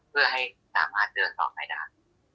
เพื่อให้สามารถเดินสอบสายด้าน